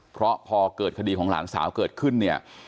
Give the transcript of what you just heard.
เพราะพอเกิดคดีของหลานสาวเกิดขึ้นเนี่ย